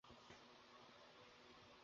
তারা আমাকে তাদের পতিতালয়ে রাখবে বলেছিল।